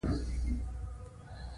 وسله د قانون سره محدودېږي